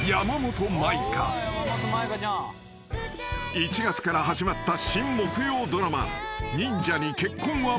［１月から始まった新木曜ドラマ］